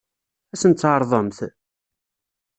Ad sen-tt-tɛeṛḍemt?